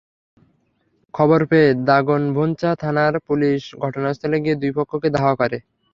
খবর পেয়ে দাগনভূঞা থানার পুলিশ ঘটনাস্থলে গিয়ে দুই পক্ষকে ধাওয়া করে।